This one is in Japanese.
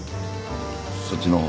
そっちの方